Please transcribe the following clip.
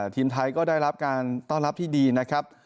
ทีมไทยก็ได้รับการต้อนรับที่ดีนะครับ